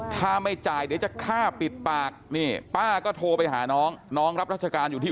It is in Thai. ถ้าไม่จ่ายเดี๋ยวจะฆ่าปิดปากนี่ป้าก็โทรไปหาน้องน้องรับราชการอยู่ที่